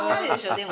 でも。